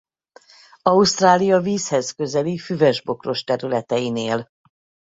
Ausztrália vízhez közeli füves-bokros területein él.